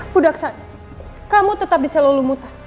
pudaksan kamu tetap bisa luluh muta